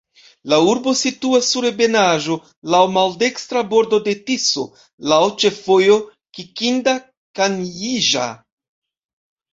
La urbo situas sur ebenaĵo, laŭ maldekstra bordo de Tiso, laŭ ĉefvojo Kikinda-Kanjiĵa.